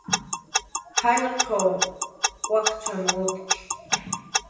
Pacxaq wakchanhw utki